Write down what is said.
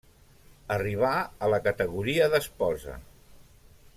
Arribà a la categoria d'esposa.